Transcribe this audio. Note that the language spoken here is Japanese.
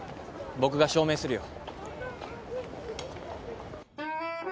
僕が証明するよ。